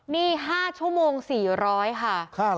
นี่๕ชั่วโมง๔๐๐ค่ะ